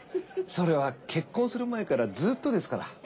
それは結婚する前からずっとですから。